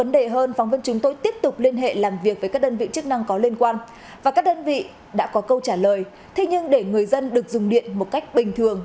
đã có câu trả lời thế nhưng để người dân được dùng điện một cách bình thường